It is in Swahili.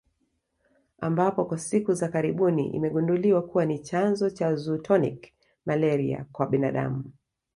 Ambapo kwa siku za karibuni imegunduliwa kuwa ni chanzo cha zoonotic malaria kwa binadamu